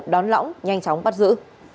đón lõng nhanh chóng bắt giữ